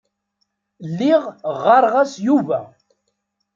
Lliɣ ɣɣareɣ-as Yuba.